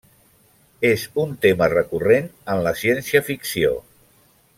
És un tema recurrent en la ciència-ficció.